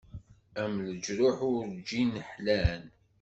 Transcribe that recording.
Am leǧruḥ urǧin ḥlan.